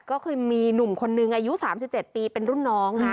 ก็เคยมีหนุ่มคนนึงอายุ๓๗ปีเป็นรุ่นน้อง